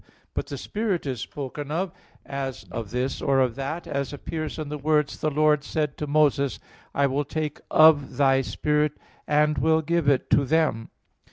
But the spirit is spoken of as of this or that man, as appears in the words, "The Lord said to Moses, I will take of thy spirit and will give to them" (Num.